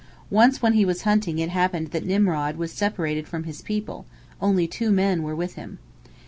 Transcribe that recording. Once when he was hunting it happened that Nimrod was separated from his people, only two men were with him.